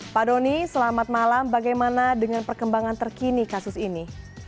pak doni selamat malam bagaimana dengan perkembangan terkini kasus ini